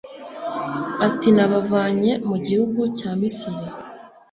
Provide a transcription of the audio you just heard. ati nabavanye mu gihugu cya misiri